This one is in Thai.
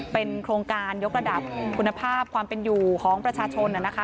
เป็นโครงการยกระดับคุณภาพความเป็นอยู่ของประชาชนนะคะ